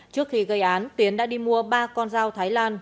trước khi gây án tiến đã đi mua ba con dao thái lan